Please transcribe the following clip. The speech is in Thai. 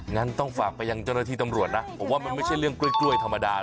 งั้นต้องฝากไปยังเจ้าหน้าที่ตำรวจนะผมว่ามันไม่ใช่เรื่องกล้วยธรรมดา